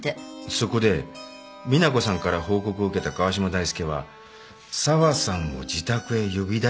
そこで美奈子さんから報告を受けた川嶋大介は沢さんを自宅へ呼び出した。